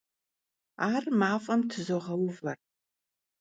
Ar maf'em tızoğeuver.